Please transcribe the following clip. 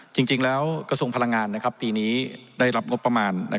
กระทรวงพลังงานปีนี้ได้รับงบประมาณ